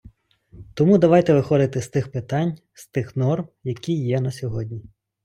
Тому давайте виходити з тих питань, з тих норм, які є на сьогодні.